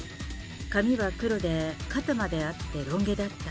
髪は黒で、肩まであってロン毛だった。